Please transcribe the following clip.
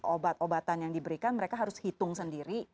obat obatan yang diberikan mereka harus hitung sendiri